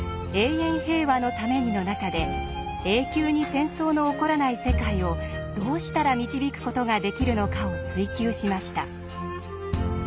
「永遠平和のために」の中で永久に戦争の起こらない世界をどうしたら導く事ができるのかを追究しました。